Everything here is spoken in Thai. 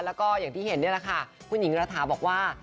แล้วก็อย่างที่เห็นนี่แหละค่ะคุณหญิงรัฐาบอกว่า